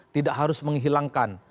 tidak harus menghilangkan